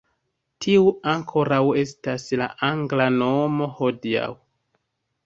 Tiu ankoraŭ estas la angla nomo hodiaŭ.